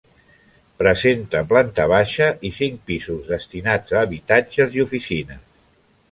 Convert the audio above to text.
Presenta planta baixa i cinc pisos destinats a habitatges i oficines.